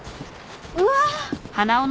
うわ。